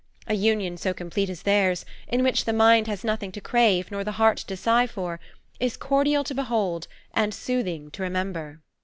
A union so complete as theirs in which the mind has nothing to crave nor the heart to sigh for is cordial to behold and soothing to remember."